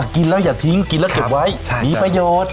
กินแล้วอย่าทิ้งกินแล้วเก็บไว้มีประโยชน์